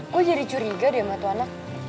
kok jadi curiga dia sama itu anak